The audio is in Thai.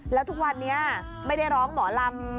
แล้วทุกวันนี้ไม่ได้ร้องหมอลำ